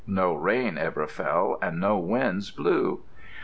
No rain ever fell and no winds blew.